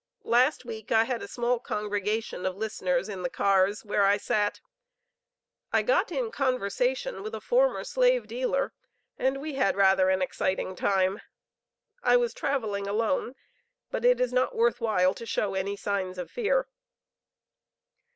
Last week I had a small congregation of listeners in the cars, where I sat. I got in conversation with a former slave dealer, and we had rather an exciting time. I was traveling alone, but it is not worth while to show any signs of fear.